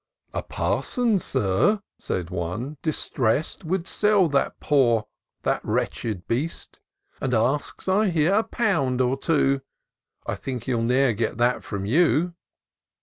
" A parson, Sir," says one, " distressed, Would sell that poor, that wretched heftst ; And asks, I hear, a pound or two : I think he'll ne'er get that from you."